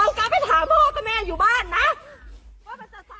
เอากลับไปถามพ่อกับแม่อยู่บ้านนะ